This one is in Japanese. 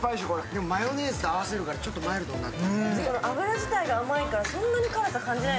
でもマヨネーズと合わせるからちょっとマイルドになる。